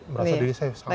berasa diri saya sampah